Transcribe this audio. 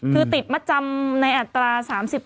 คือติดมาจำในอัตรา๓๐๔๐